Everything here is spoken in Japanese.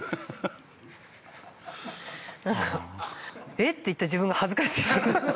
「えっ？」って言った自分が恥ずかしい。